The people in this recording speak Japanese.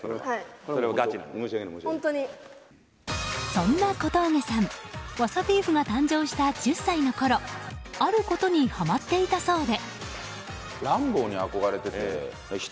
そんな小峠さんわさビーフが誕生した１０歳のころあることにはまっていたそうで。